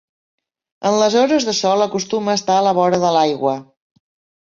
En les hores de sol acostuma a estar a la vora de l'aigua.